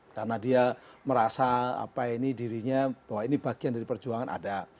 karena dia merasa apa ini dirinya bahwa ini bagian dari perjuangan ada